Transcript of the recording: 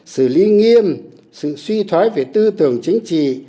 xử lý nghiêm sự suy thoái về tư tưởng chính trị